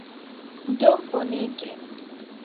Do bonege!